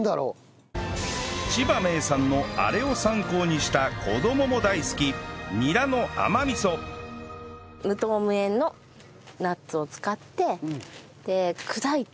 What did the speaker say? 千葉名産のあれを参考にした子どもも大好き無糖無塩のナッツを使って砕いて。